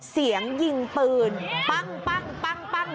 เสียงยิงปืนปั้งปั้งปั้งปั้ง